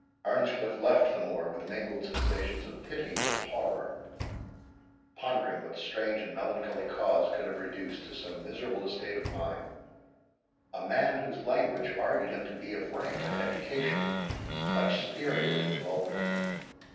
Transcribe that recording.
Earnscliff left the moor with mingled sensations of pity and horror, pondering what strange and melancholy cause could have reduced to so miserable a state of mind, a man whose language argued him to be of rank and education much superior to the vulgar.